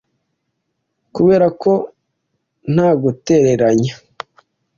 Kubera ko ntagutereranye